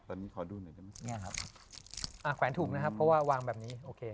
ตอนนี้ขอดูหน่อยได้ไหมเนี่ยครับอ่าแขวนถูกนะครับเพราะว่าวางแบบนี้โอเค